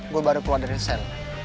gue baru keluar dari sen